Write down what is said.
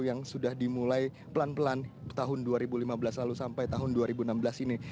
yang sudah dimulai pelan pelan tahun dua ribu lima belas lalu sampai tahun dua ribu enam belas ini